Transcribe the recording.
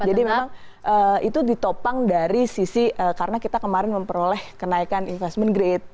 jadi memang itu ditopang dari sisi karena kita kemarin memperoleh kenaikan investment grade